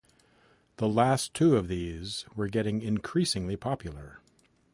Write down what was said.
The last two of these were getting increasingly popular.